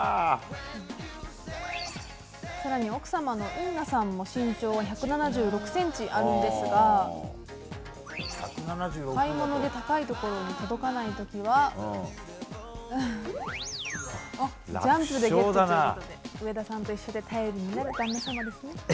更に、奥様のインナさんも身長は１７６ｃｍあるんですが買い物で高いところに届かない時はジャンプでゲットということで上田さんと一緒で頼りになる旦那様ですね。